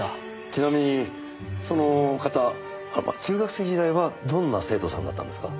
ちなみにその方中学生時代はどんな生徒さんだったんですか？